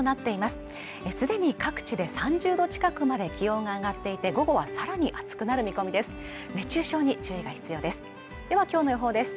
すでに各地で３０度近くまで気温が上がっていて午後はさらに暑くなる見込みです